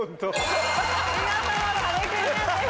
見事壁クリアです。